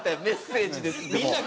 「メッセージです」でも。